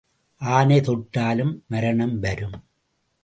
ஆனை தொட்டாலும் மரணம் வரும்.